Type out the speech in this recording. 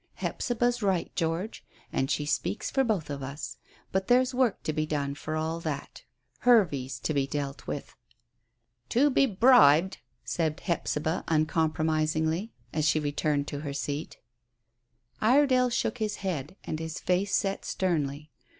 "Hephzibah's right, George, and she speaks for both of us. But there's work to be done for all that. Hervey's to be dealt with." "To be bribed," said Hephzibah uncompromisingly, as she returned to her seat. Iredale shook his head and his face set sternly.